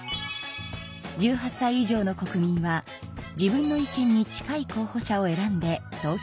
１８さい以上の国民は自分の意見に近い候ほ者を選んで投票します。